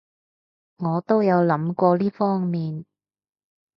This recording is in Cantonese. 我都有諗過呢方面